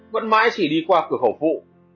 vẫn mãi chỉ đi qua cửa khẩu phụ